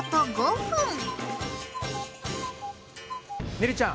ねるちゃん！